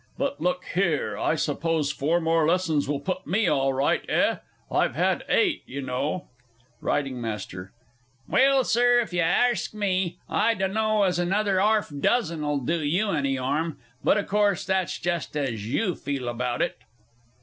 But, look here I suppose four more lessons will put me all right, eh? I've had eight, y' know. R. M. Well, Sir, if you arsk me, I dunno as another arf dozen 'll do you any 'arm but, o'course, that's just as you feel about it.